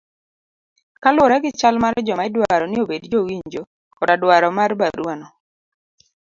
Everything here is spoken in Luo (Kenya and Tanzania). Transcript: kaluwore gi chal mar joma idwaro ni obed jowinjo koda dwaro mar barua no